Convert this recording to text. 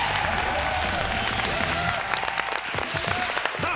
さあ